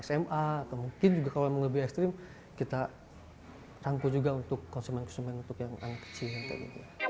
sma atau mungkin juga kalau memang lebih ekstrim kita rangkul juga untuk konsumen konsumen untuk yang anak kecil